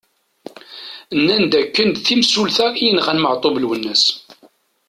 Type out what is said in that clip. Nnan-d d akken d imsulta i yenɣan Maɛtub Lwennas.